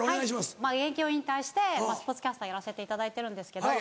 はいまぁ現役を引退してスポーツキャスターやらせていただいてるんですけど。